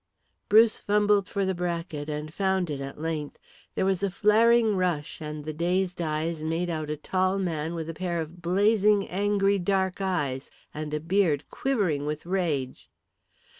Bruce fumbled for the bracket, and found it at length. There was a flaring rush and then dazed eyes made out a tall man with a pair of blazing angry dark eyes, and a beard quivering with rage.